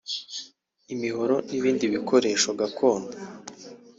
imihoro n’ibindi bikoresho gakondo